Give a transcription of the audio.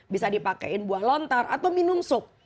bisa dipakaiin buah lontar atau minum sup